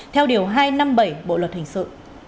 theo điều hai trăm năm mươi bảy bộ luật hình sự